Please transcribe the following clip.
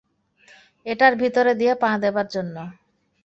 এটার ভিতরে দিয়ে পা দেবার জন্য।